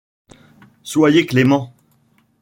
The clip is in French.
Soyez cléments.